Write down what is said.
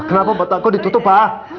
kenapa mata aku ditutup ma